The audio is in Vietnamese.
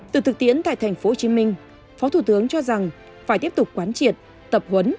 từ thực tiễn tại tp hcm phó thủ tướng cho rằng phải tiếp tục quán triệt tập huấn